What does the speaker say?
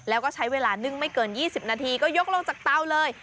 แล้วก็ใช้เวลานึ่งไม่เกิน๒๐นาทีก็ยกลงจากเตาเลย